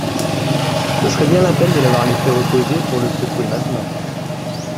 Ce serait bien la peine de l’avoir laissé reposer pour le secouer maintenant.